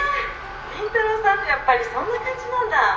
倫太郎さんってやっぱりそんな感じなんだ。